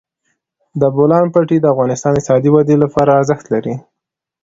د بولان پټي د افغانستان د اقتصادي ودې لپاره ارزښت لري.